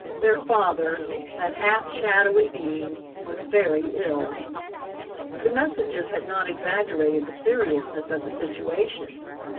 Their father that half shadowy being was very ill. The messages had not exaggerated the seriousness of the situation.